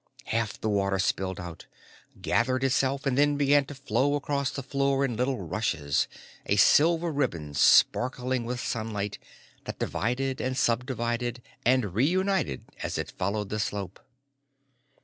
Half the water spilled out, gathered itself, and then began to flow across the floor in little rushes, a silver ribbon sparkling with sunlight that divided and subdivided and reunited as it followed the slope.